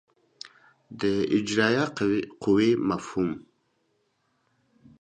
د اجرایه قوې مفهوم